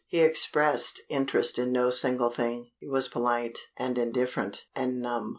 He expressed interest in no single thing. He was polite, and indifferent, and numb.